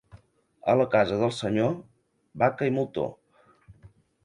A la casa del senyor, vaca i moltó.